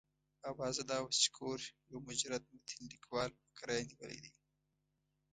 اوازه دا وه چې کور یو مجرد متین لیکوال په کرایه نیولی دی.